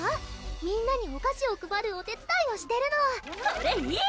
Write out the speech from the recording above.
みんなにお菓子を配るお手伝いをしてるのそれいい！